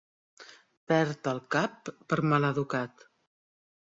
Perd el cap per maleducat.